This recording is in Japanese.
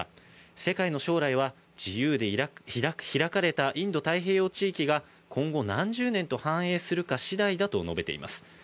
世界の将来は自由で開かれたインド太平洋地域が今後、何十年と繁栄するか次第だと述べています。